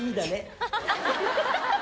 ハハハハ！